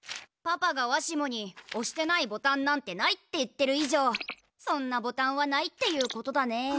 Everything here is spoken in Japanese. パパがわしもにおしてないボタンなんてないって言ってるいじょうそんなボタンはないっていうことだね。